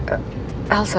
aku real ter hunya